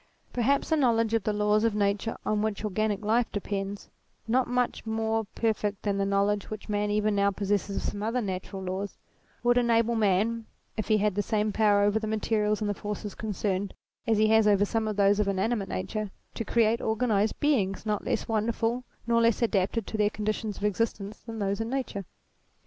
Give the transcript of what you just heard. Per haps a knowledge of the laws of nature on which^ organic life depends, not much more perfect than the knowledge which man even now possesses of some other natural laws, would enable man, if he had the same power over the materials and the forces concerned which he has over some of those of ATTRIBUTES 183 inanimate nature, to create organized beings not less wonderful nor less adapted to their conditions of existence than those in Nature.